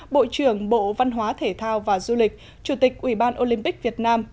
bộ trưởng bộ văn hóa thể thao và du lịch chủ tịch ủy ban olympic việt nam